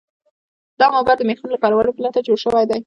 دا منبر د میخونو له کارولو پرته جوړ شوی و.